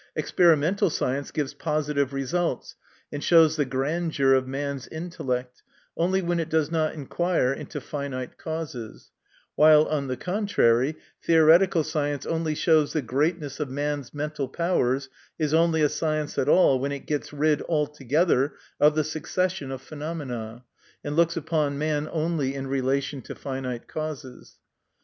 Experi mental science gives positive results, and shows the grandeur of man's intellect, only when it does not inquire into finite causes ; while, on the contrary, theoretical science only shows the greatness of man's mental powers is only a science at all when it gets rid altogether of the succession of phenomena, and looks upon man only in relation to finite causes.